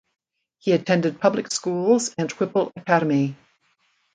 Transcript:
He attended public schools and Whipple Academy.